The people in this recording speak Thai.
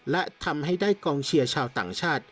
และทำให้ได้กองเชียร์ชาวต่างชาติ